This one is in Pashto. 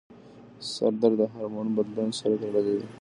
سردرد د هارمون بدلون سره تړلی دی.